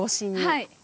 はい。